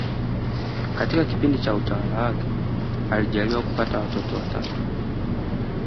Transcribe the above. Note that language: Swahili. Katika kipindi cha utawala wake alijaliwa kupata watoto watatu